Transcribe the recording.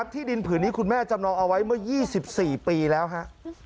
ที่ดินผืนนี้คุณแม่จำนองเอาไว้เมื่อ๒๔ปีแล้วฮะ